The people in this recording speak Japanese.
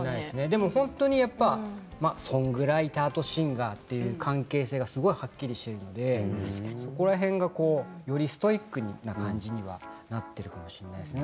でもソングライターとシンガーという関係性がすごいはっきりしていてよりストイックな感じにはなっているかもしれないですね。